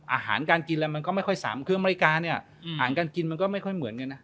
อาหารการกินอะไรมันก็ไม่ค่อยสามเครื่องบริการเนี่ยอาหารการกินมันก็ไม่ค่อยเหมือนกันนะ